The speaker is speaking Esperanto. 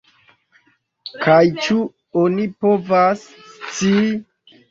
Kaj ĉu oni povas scii?